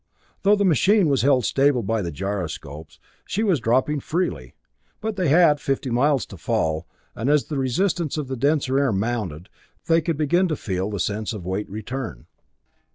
Though the machine was held stable by the gyroscopes, she was dropping freely; but they had fifty miles to fall, and as the resistance of the denser air mounted, they could begin to feel the sense of weight return.